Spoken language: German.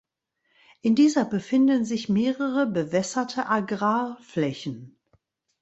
In dieser befinden sich mehrere bewässerte Agrarflächen.